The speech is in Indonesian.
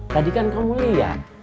tadi kan kamu lihat